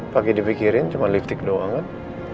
pagi dipikirin cuma lipstick doang kan